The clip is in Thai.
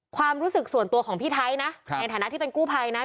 ความรู้สึกส่วนตัวของพี่ไทยนะในฐานะที่เป็นกู้ภัยนะ